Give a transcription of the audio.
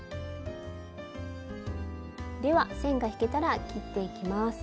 では線が引けたら切っていきます。